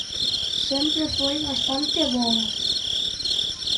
Sempre foi bastante boa.